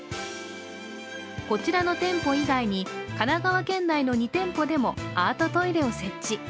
こちらの店舗以外に神奈川県内の２店舗でもアートトイレを設置。